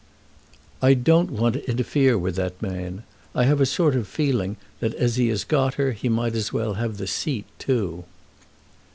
"I don't want to interfere with that man. I have a sort of feeling that as he has got her he might as well have the seat too."